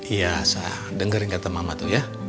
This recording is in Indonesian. iya saya dengerin kata mama tuh ya